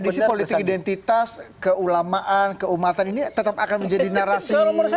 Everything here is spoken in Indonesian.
anda predisi politik identitas keulamaan keumatan ini tetap akan menjadi narasi yang dijual